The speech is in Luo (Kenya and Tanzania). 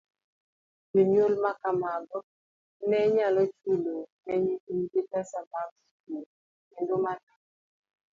Jonyuol ma kamago ne nyalo chulo ne nyithindgi pesa mag skul, kendo mano ne